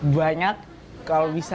banyak kalau bisa